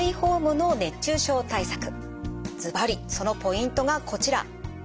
ずばりそのポイントがこちら。